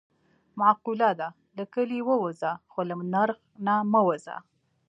معقوله ده: له کلي ووځه خو له نرخ نه مه وځه.